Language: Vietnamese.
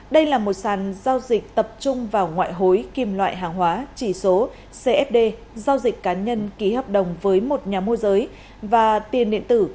đây là một sàn giao dịch tập trung vào ngoại hối kim loại hàng hóa chỉ số cfd giao dịch cá nhân ký hợp đồng với một nhà môi giới và tiền điện tử